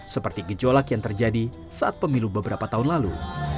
seperti gejolak yang terjadi saat pemilu beberapa tahun lalu